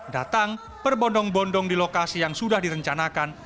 datang berbondong bondong di lokasi yang sudah direncanakan